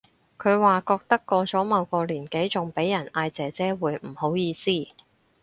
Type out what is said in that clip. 佢話覺得過咗某個年紀仲俾人嗌姐姐會唔好意思